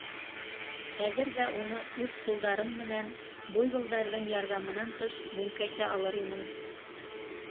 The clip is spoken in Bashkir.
Хәҙер ҙә уны үҙ ҡулдарым менән, буйволдарҙың ярҙамынан тыш, дөңкәйтә алыр инем.